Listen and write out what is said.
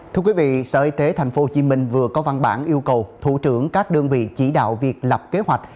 thưa quý vị sở y tế tp hcm vừa có văn bản yêu cầu thủ trưởng các đơn vị chỉ đạo việc lập kế hoạch